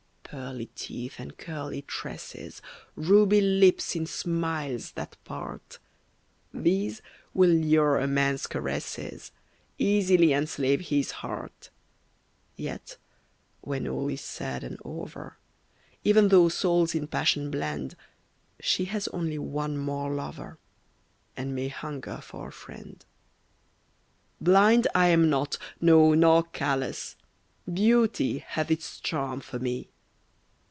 Pearly teeth and curly tresses, Ruby lips, in smiles that part, These will lure a man's caresses, Easily enslave his heart; Yet, when all is said and over, Even though souls in passion blend, She has only one more lover, And may hunger for a friend. Blind I am not, no, nor callous; Beauty hath its charm for me.